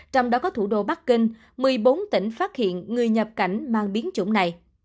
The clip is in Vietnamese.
trong đó có thủ đô bắc kinh một mươi bốn tỉnh phát hiện người nhập cảnh mang biến chủng này